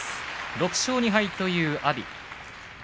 ６勝２敗という阿炎。